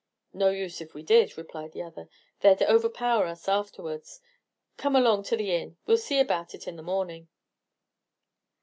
"No use if we did," replied the other; "they'd overpower us afterwards. Come along to the inn; we'll see about it in the morning."